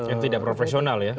yang tidak profesional ya